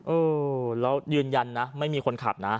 เออแล้วยืนยันนะไม่มีคนขับนะ